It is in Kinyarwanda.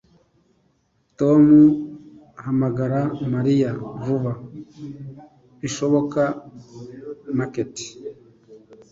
Tom hamagara Mariya vuba bishoboka meerkat